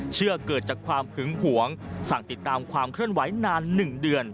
เกิดจากความหึงหวงสั่งติดตามความเคลื่อนไหวนาน๑เดือน